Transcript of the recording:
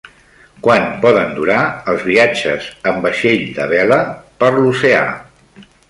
Quant poden durar els viatges en vaixell de vela per l'oceà?